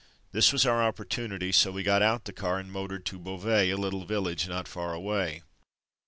This was our opportunity, so we got out the car and motored to Beauvais, a little village not far away.